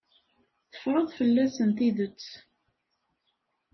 Teffreḍ fell-asen tidet.